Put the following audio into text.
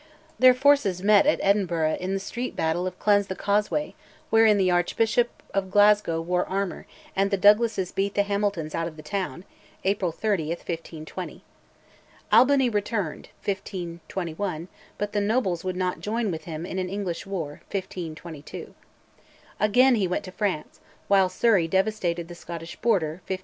Their forces met at Edinburgh in the street battle of "Cleanse the Causeway," wherein the Archbishop of Glasgow wore armour, and the Douglases beat the Hamiltons out of the town (April 30, 1520). Albany returned (1521), but the nobles would not join with him in an English war (1522). Again he went to France, while Surrey devastated the Scottish Border (1523).